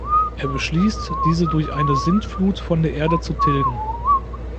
Er beschließt, diese durch eine Sintflut von der Erde zu tilgen.